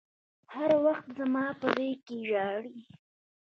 هر وخت زما په غېږ کښې ژاړي.